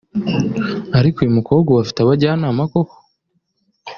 Ariko uyu mukobwa ubu afite abajyanama koko